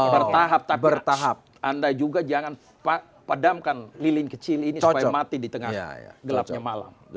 bertahap tapi bertahap anda juga jangan padamkan lilin kecil ini supaya mati di tengah gelapnya malam